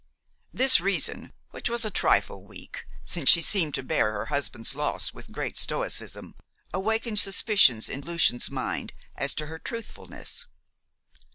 This reason, which was a trifle weak, since she seemed to bear her husband's loss with great stoicism, awakened suspicions in Lucian's mind as to her truthfulness.